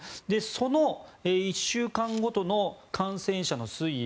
その１週間ごとの感染者の推移